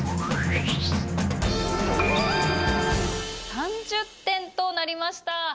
３０点となりました。